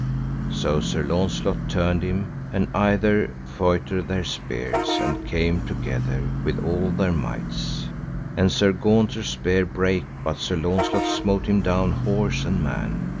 So Sir Launcelot turned him, and either feutred their spears, and came together with all their mights, and Sir Gaunter's spear brake, but Sir Launcelot smote him down horse and man.